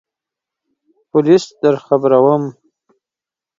پولیس درخبروم !